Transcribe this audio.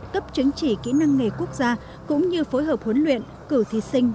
cấp chứng chỉ kỹ năng nghề quốc gia cũng như phối hợp huấn luyện cử thí sinh